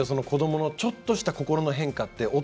子どものちょっとした心の変化って。